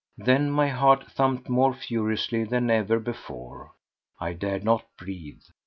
Then my heart thumped more furiously than ever before. I dared not breathe.